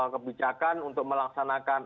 kebijakan untuk melaksanakan